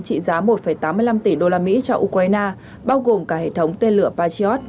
trị giá một tám mươi năm tỷ đô la mỹ cho ukraine bao gồm cả hệ thống tên lửa patriot